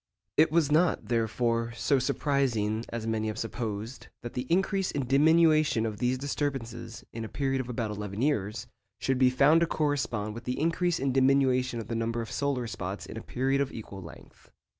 It was not, therefore, so surprising as many have supposed, that the increase and diminution of these disturbances, in a period of about eleven years, should be found to correspond with the increase and diminution of the number of solar spots in a period of equal length.